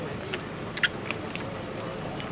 อุ้ยเก่งนะ